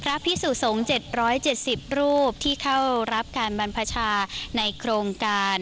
ครับพี่ซุโสง๗๗๐รูปเขารับการบรรพชาในโครงการ